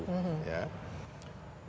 bali yang biasa